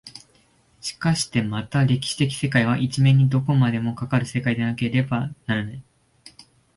しかしてまた歴史的世界は一面にどこまでもかかる世界でなければならない。